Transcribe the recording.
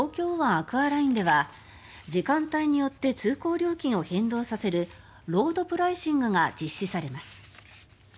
アクアラインでは時間帯によって通行料金を変動させるロードプライシングが実施されます。